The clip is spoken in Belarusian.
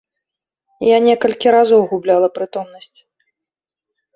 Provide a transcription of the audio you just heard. Я некалькі разоў губляла прытомнасць.